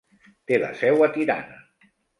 Té la seu a Tirana.